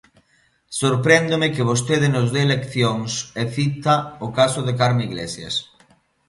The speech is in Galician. Sorpréndome que vostede nos dea leccións e cita o caso de Carme Iglesias.